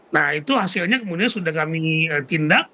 nah itu hasilnya kemudian sudah kami tindak